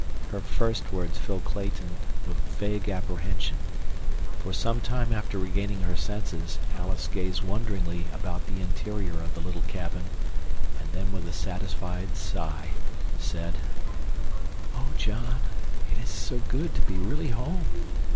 Her first words filled Clayton with vague apprehension. For some time after regaining her senses, Alice gazed wonderingly about the interior of the little cabin, and then, with a satisfied sigh, said: "O, John, it is so good to be really home!